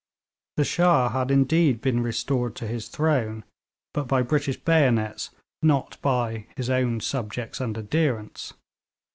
The Shah had been indeed restored to his throne, but by British bayonets, not by 'his own subjects and adherents.'